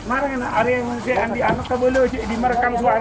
apalagi di merekam suara kiri